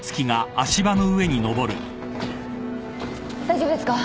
大丈夫ですか？